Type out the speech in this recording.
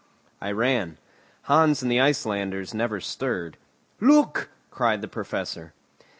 I ran. Hans and the Icelanders never stirred. "Look!" cried the Professor.